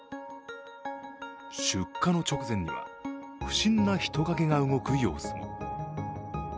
出火の直前には不審な人影が動く様子も。